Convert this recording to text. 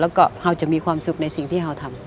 แล้วก็เราจะมีความสุขในสิ่งที่เขาทำ